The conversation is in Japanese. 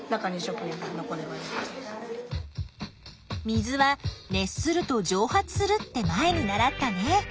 水は熱すると蒸発するって前に習ったね。